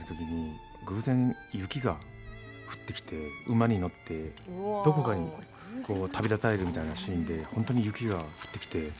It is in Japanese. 馬に乗って、どこかに旅立たれるみたいなシーンで本当に雪が降ってきて。